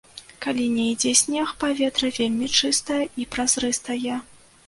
Калі не ідзе снег, паветра вельмі чыстае і празрыстае.